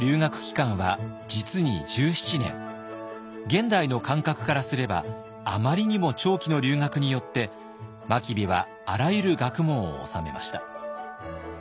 現代の感覚からすればあまりにも長期の留学によって真備はあらゆる学問を修めました。